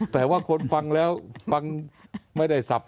แต่ว่าคนฟังแล้วฟังไม่ได้สับ